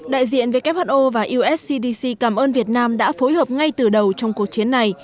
đại diện who và us cdc cảm ơn việt nam đã phối hợp ngay từ đầu trong cuộc chiến này